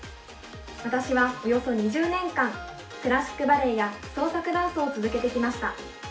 私は、およそ２０年間クラシックバレエや創作ダンスを続けてきました。